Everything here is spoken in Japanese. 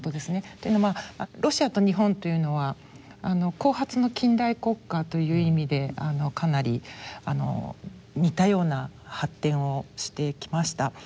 というのもロシアと日本というのは後発の近代国家という意味でかなり似たような発展をしてきました。